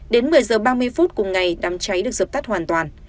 đến một mươi h ba mươi phút cùng ngày đám cháy được dập tắt hoàn toàn